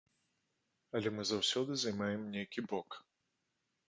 Але мы заўсёды займаем нейкі бок.